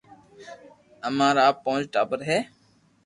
امارآ پونچ ٽاٻر ھي